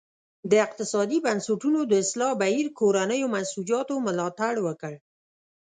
د اقتصادي بنسټونو د اصلاح بهیر کورنیو منسوجاتو ملاتړ وکړ.